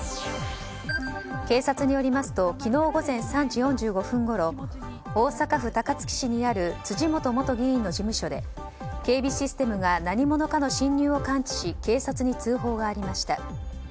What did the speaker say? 警察によりますと昨日午前３時４５分ごろ大阪府高槻市にある辻元元議員の事務所で警備システムが何者かの侵入を感知し警察に通報がありました。